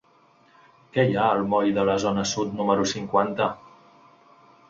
Què hi ha al moll de la Zona Sud número cinquanta?